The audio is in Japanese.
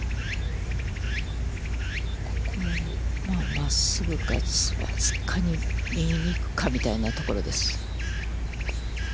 まっすぐか、僅かに右に行くかみたいなところです。